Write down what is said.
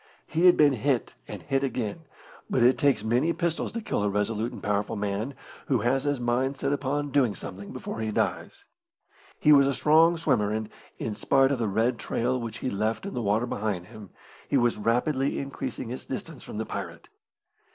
He had been hit and hit again, but it takes many pistols to kill a resolute and powerful man who has his mind set upon doing something before he dies. He was a strong swimmer, and, in spite of the red trail which he left in the water behind him, he was rapidly increasing his distance from the pirate.